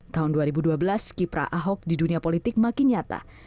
tahun dua ribu dua belas kiprah ahok di dunia politik makin nyata